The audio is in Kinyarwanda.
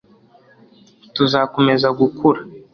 tuzakomeza gukura